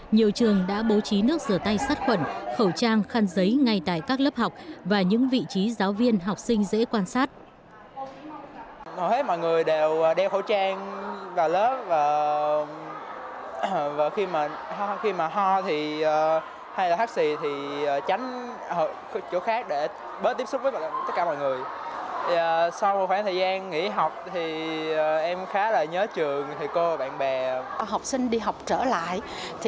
nhiều trường đã bố trí nước sửa tay sát khuẩn khẩu trang khăn giấy ngay tại các lớp học và những vị trí giáo viên học sinh dễ quan sát